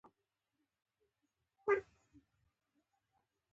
بیا هم خوله نه درېږي.